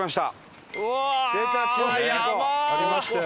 ありましたよ